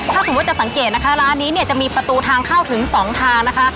ถ้าสมมุติจะสังเกตนะคะร้านนี้เนี่ยจะมีประตูทางเข้าถึง๒ทางนะคะ